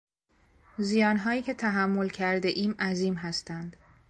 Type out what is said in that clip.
زیانهایی که تحمل کردهایم عظیم هستند.